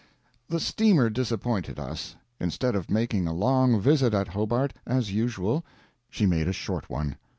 The steamer disappointed us. Instead of making a long visit at Hobart, as usual, she made a short one.